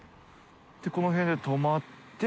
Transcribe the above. この辺で止まって。